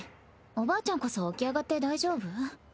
おばあちゃんこそ起き上がって大丈夫？